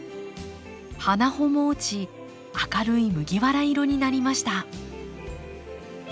花穂も落ち明るい麦わら色になりました。